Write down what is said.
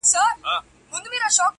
آفتونو پكښي كړي ځالګۍ دي-